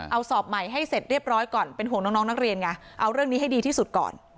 เอาสอบใหม่ให้เสร็จเรียบร้อยก่อนเป็นห่วงน้องนักเรียนไงเอาเรื่องนี้ให้ดีที่สุดก่อน